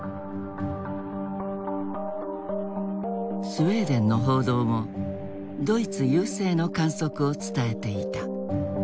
スウェーデンの報道もドイツ優勢の観測を伝えていた。